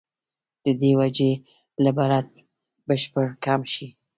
د دې وجې نه بلډ پرېشر کم شي